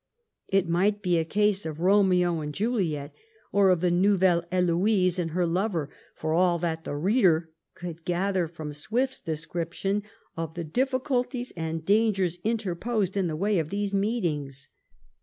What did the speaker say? It might be a case of Bomeo and Juliet, or of the Nouvelle Heloi'se and her lover, for all that the reader could gather from Swift's description of the diflBcul ties and dangers interposed in tJie way of these meet ings.